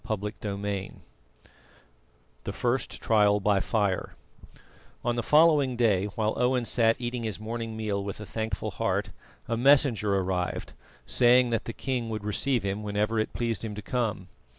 CHAPTER VIII THE FIRST TRIAL BY FIRE On the following day, while Owen sat eating his morning meal with a thankful heart, a messenger arrived saying that the king would receive him whenever it pleased him to come.